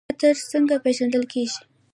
خطر څنګه پیژندل کیږي؟